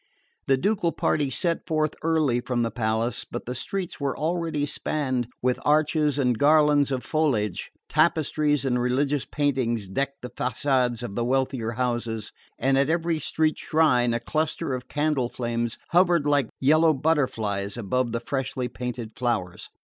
The ducal party set forth early from the palace, but the streets were already spanned with arches and garlands of foliage, tapestries and religious paintings decked the facades of the wealthier houses, and at every street shrine a cluster of candle flames hovered like yellow butterflies above the freshly gathered flowers.